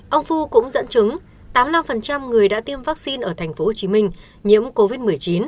ông phu cũng dẫn chứng tám mươi năm người đã tiêm vaccine ở tp hcm nhiễm covid một mươi chín